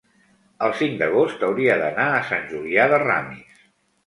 el cinc d'agost hauria d'anar a Sant Julià de Ramis.